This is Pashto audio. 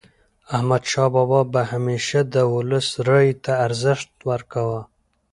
احمدشاه بابا به همیشه د ولس رایې ته ارزښت ورکاوه.